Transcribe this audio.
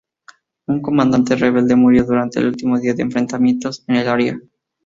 Un comandante rebelde murió durante el último día de enfrentamientos en el área.